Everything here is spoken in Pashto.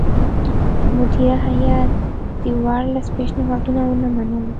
مدیره هیات د ورلسټ پېشنهادونه ونه منل.